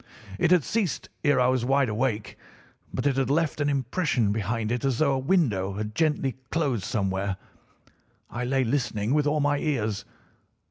It had ceased ere I was wide awake, but it had left an impression behind it as though a window had gently closed somewhere. I lay listening with all my ears.